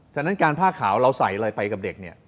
ฉะนั้นการผ้าขาวเราใส่อะไรไปกับเด็กเนี่ย